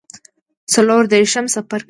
څلور دیرشم څپرکی